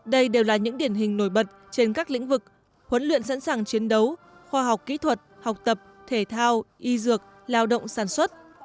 đây đều là những điển hình nổi bật trên các lĩnh vực huấn luyện sẵn sàng chiến đấu khoa học kỹ thuật học tập thể thao y dược lao động sản xuất